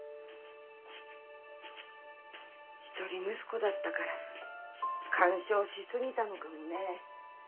一人息子だったから干渉しすぎたのかもね。